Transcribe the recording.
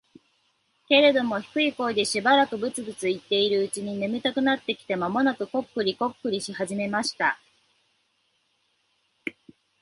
けれども、低い声でしばらくブツブツ言っているうちに、眠たくなってきて、間もなくコックリコックリし始めました。